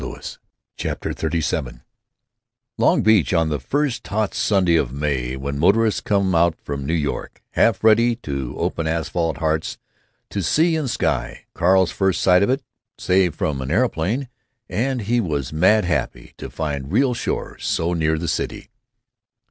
CHAPTER XXXVII ong Beach, on the first hot Sunday of May, when motorists come out from New York, half ready to open asphalt hearts to sea and sky. Carl's first sight of it, save from an aeroplane, and he was mad happy to find real shore so near the city.